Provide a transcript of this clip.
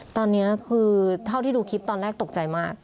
ตอนนี้คือเท่าที่ดูคลิปตอนแรกตกใจมาก